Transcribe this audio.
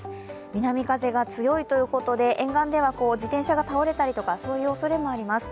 南風が強いということで沿岸では自転車が倒れたりとかそういうおそれもあります。